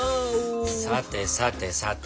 さてさてさて。